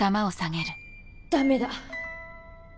ダメだ。